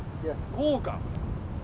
こうか。